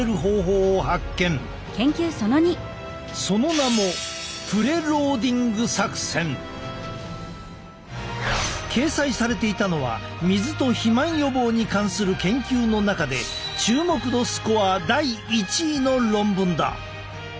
その名も掲載されていたのは水と肥満予防に関する研究の中で注目度スコア第１位の論文だ。